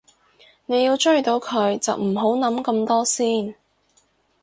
你要追到佢就唔好諗咁多先